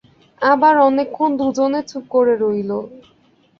আবার অনেকক্ষণ দুজনে চুপ করে রইল।